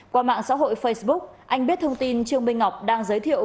qua mạng xã hội facebook anh biết thông tin trương minh ngọc đang giới thiệu